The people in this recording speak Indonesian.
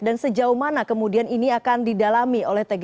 dan sejauh mana kemudian ini akan didalami